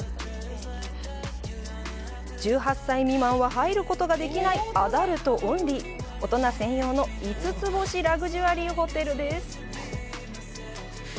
１８歳未満は入ることができないアダルトオンリー、大人専用の五つ星ラグジュアリーホテルです。